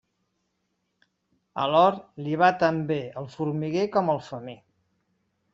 A l'hort, li va tan bé el formiguer com el femer.